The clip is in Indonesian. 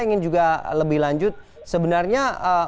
ingin juga lebih lanjut sebenarnya